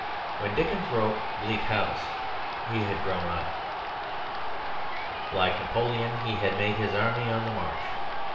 When Dickens wrote Bleak House he had grown up. Like Napoleon, he had made his army on the march.